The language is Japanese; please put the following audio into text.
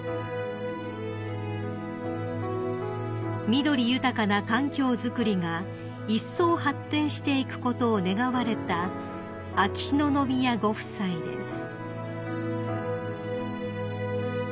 ［緑豊かな環境づくりがいっそう発展していくことを願われた秋篠宮ご夫妻です］